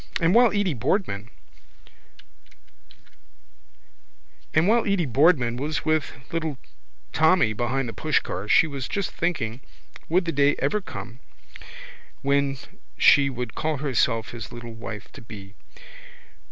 And while Edy Boardman was with little Tommy behind the pushcar she was just thinking would the day ever come when she could call herself his little wife to be.